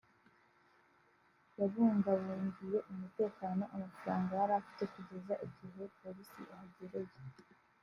yabungabungiye umutekano amafaranga yari afite kugeza igihe Polisi ihagereye